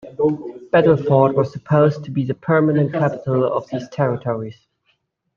Battleford was supposed to be the permanent capital of the Territories.